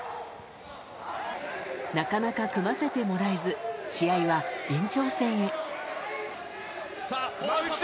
なかなか組ませてもらえず試合は、延長戦へ。